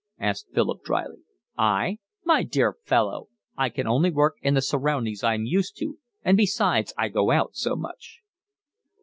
asked Philip drily. "I? My dear fellow, I can only work in the surroundings I'm used to, and besides I go out so much."